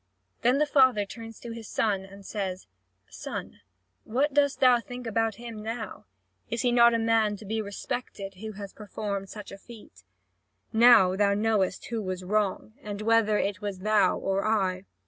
Then the father turns to his son, and says: "Son, what dost thou think about him now? Is he not a man to be respected who has performed such a feat? Now thou knowest who was wrong, and whether it was thou or I.